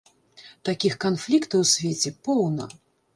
Такіх канфліктаў у свеце поўна!